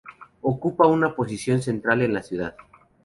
Ocupa una posición central en la ciudad.